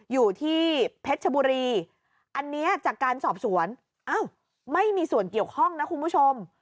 อยู่ที่เพชรชบุรีอันนี้จากการสอบสวนอ้าวไม่มีส่วนเกี่ยวข้องนะคุณผู้ชม